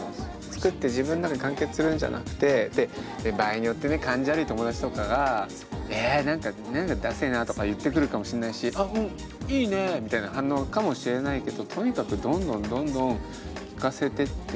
作って自分の中で完結するんじゃなくて場合によってね感じ悪い友達とかがえ何か何かダセえなとか言ってくるかもしんないし「あうんいいね」みたいな反応かもしれないけどとにかくどんどんどんどん聴かせてってください。